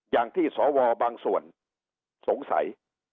อย่างที่สวบางส่วนสงสัย